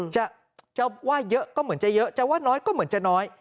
จะว่าเยอะก็เหมือนจะเยอะจะว่าน้อยก็เหมือนจะน้อย